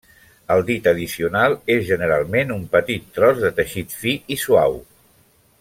El dit addicional és generalment un petit tros de teixit fi i suau.